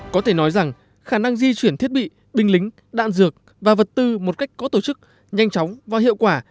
có thể nói rằng khả năng di chuyển thiết bị binh lính đạn dược và vật tư một cách có tổ chức nhanh chóng và hiệu quả